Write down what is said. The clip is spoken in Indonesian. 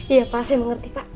iya pak saya mengerti pak